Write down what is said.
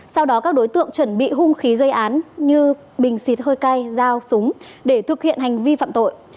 sau đó các đối tượng chuẩn bị hung khí gây án như bình xịt hơi cay dao súng để thực hiện hành vi phạm tội